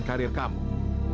jangan hancurkan karir kamu